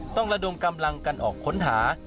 ระดมกำลังกันออกค้นหา